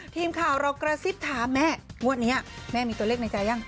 ทีมข่าวเรากระซิบถามแม่งวดนี้แม่มีตัวเลขในใจยัง